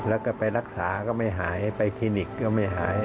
แล้วก็ไปรักษาก็ไม่หายไปคลินิกก็ไม่หาย